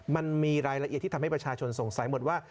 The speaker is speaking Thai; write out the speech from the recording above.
มันมีรายละเอียดที่ทำให้ประชาชนสงสัยหมดว่า